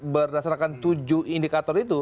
berdasarkan tujuh indikator itu